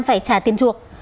phải trả tiền chuộc